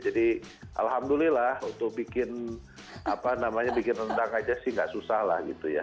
jadi alhamdulillah untuk bikin apa namanya bikin rendang aja sih enggak susah lah gitu ya